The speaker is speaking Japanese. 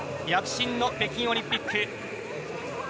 躍進の北京オリンピック。